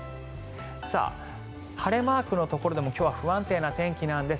晴れマークのところでも今日は不安定な天気なんです。